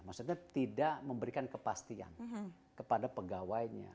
maksudnya tidak memberikan kepastian kepada pegawainya